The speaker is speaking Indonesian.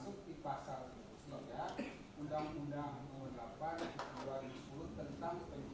kalau belum sederhana apakah akan dilakukan oleh kpk kepada anggota komisi